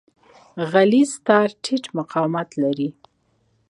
غلیظ تار ټیټ مقاومت لري.